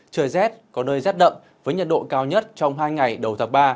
trời rét có nơi rét đậm với nhiệt độ cao nhất trong hai ngày đầu thập ba